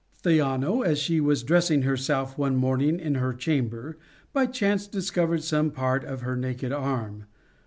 Theano, as she was dressing herself one morning in her chamber, by chance discovered some part of her naked arm.